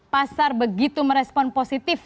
pasar begitu merespon positif